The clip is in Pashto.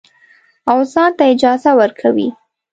او ځان ته اجازه ورکوي.